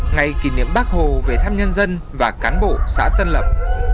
ngày kỷ niệm bác hồ về tháp nhân dân và cán bộ xã thân lập